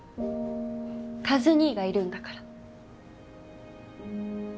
和兄がいるんだから。